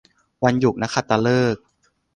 วันหยุดนักขัตฤกษ์